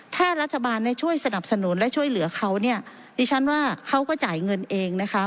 ถ้ารัฐบาลได้ช่วยสนับสนุนและช่วยเหลือเขาเนี่ยดิฉันว่าเขาก็จ่ายเงินเองนะคะ